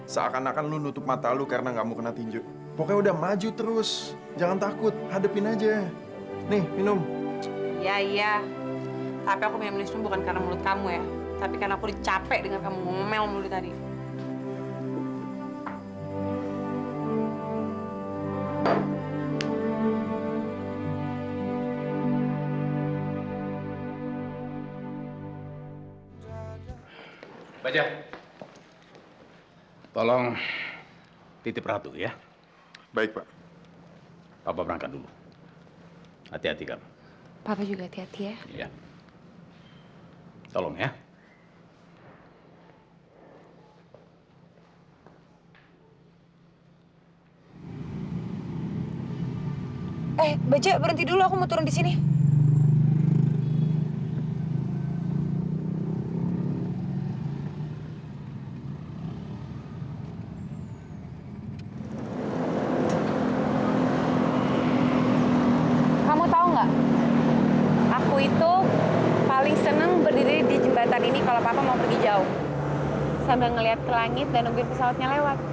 sampai jumpa di video selanjutnya